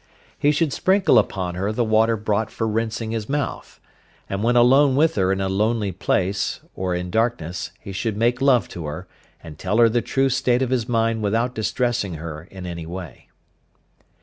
He should sprinkle upon her the water brought for rinsing his mouth; and when alone with her in a lonely place, or in darkness, he should make love to her, and tell her the true state of his mind without distressing her in any way.